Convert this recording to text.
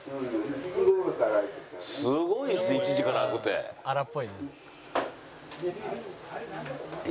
すごいです１時から開くって。